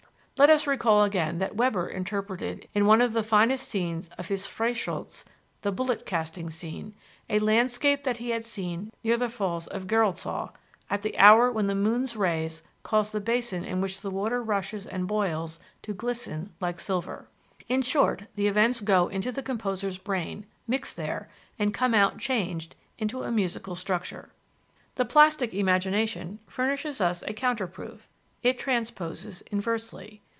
Let us recall again that Weber interpreted in one of the finest scenes of his Freyschütz (the bullet casting scene) "a landscape that he had seen near the falls of Geroldsau, at the hour when the moon's rays cause the basin in which the water rushes and boils to glisten like silver." In short, the events go into the composer's brain, mix there, and come out changed into a musical structure. The plastic imagination furnishes us a counter proof: it transposes inversely.